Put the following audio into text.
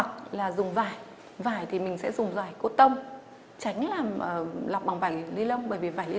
phải dùng vải vải thì mình sẽ dùng vải cốtông tránh làm lọc bằng vải ly lông bởi vì vải ly